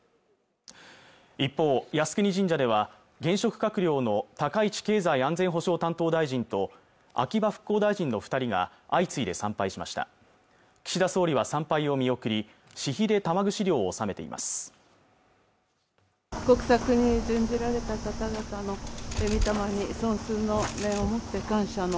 一方、靖国神社では現職閣僚の高市経済安全保障担当大臣と秋葉復興大臣の二人が相次いで参拝しました岸田総理は参拝を見送り私費で玉串料を納めています